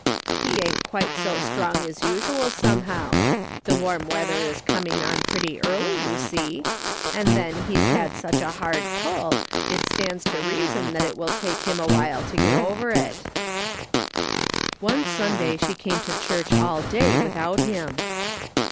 " He ain't quite so strong as usual, somehow. The warm weather is coming on pretty early, you see ; and then he's had such a hard pull, it stands to reason it will take him a while to get over if One Sunday she came to church all day without him.